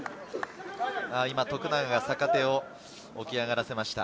今、徳永が坂手を起き上がらせました。